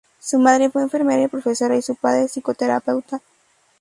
Su madre fue enfermera y profesora y su padre psicoterapeuta.